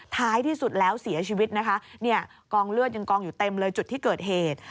ท้ายที่สุดแล้วเสียชีวิตนะคะเนี่ยกองเลือดยังกองอยู่เต็มเลยจุดที่เกิดเหตุ